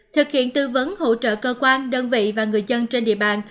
thực hiện tư vấn hỗ trợ cơ quan đơn vị và người dân trên địa bàn